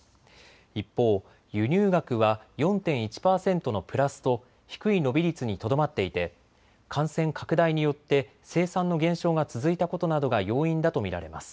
一方、輸入額は４．１％のプラスと低い伸び率にとどまっていて感染拡大によって生産の減少が続いたことなどが要因だと見られます。